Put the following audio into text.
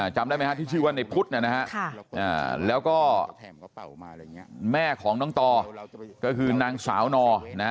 จำได้ไหมฮะที่ชื่อว่าในพุทธนะฮะแล้วก็แม่ของน้องต่อก็คือนางสาวน